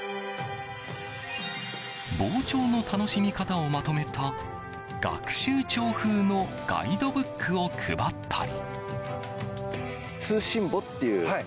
傍聴の楽しみ方をまとめた学習帳風のガイドブックを配ったり。